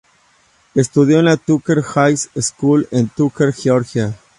Estudió en la Tucker High School en Tucker, Georgia.